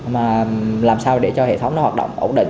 mà làm sao để cho hệ thống nó hoạt động ổn định